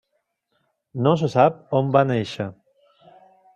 No se sap on va néixer.